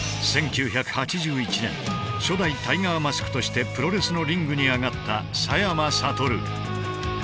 １９８１年初代タイガーマスクとしてプロレスのリングに上がった佐山聡。